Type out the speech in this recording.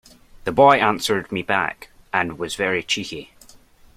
The boy answered me back, and was very cheeky